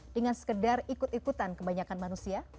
dengan sekedar ikut ikutan kebanyakan manusia